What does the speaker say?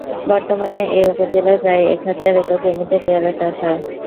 বর্তমানে এ উপজেলায় প্রায় এক হাজার একর জমিতে পেয়ারার চাষ হয়।